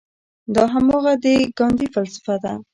دا هماغه د ګاندي فلسفه ده.